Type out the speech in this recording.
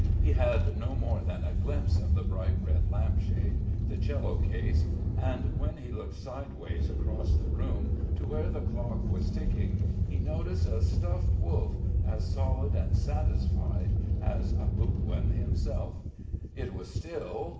He had no more than a glimpse of the bright red lampshade, the cello case, and when he looked sideways across the room to where the dock was ticking, he noticed a stuffed wolf, as solid and satisfied as Aboguin himself. It was still....